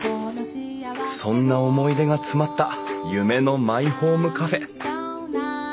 そんな思い出が詰まった夢のマイホームカフェ。